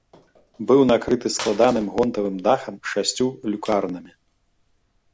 Быў накрыты складаным гонтавым дахам з шасцю люкарнамі.